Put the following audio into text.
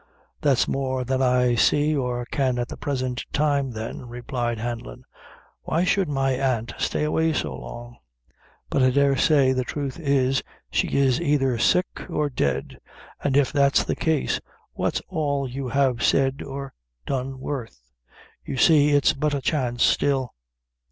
"That's more than I see, or can at the present time, then," replied Hanlon. "Why should my aunt stay away so long? but I dare say the truth is, she is either sick or dead, an' if that's the case, what's all you have said or done worth? You see it's but a chance still."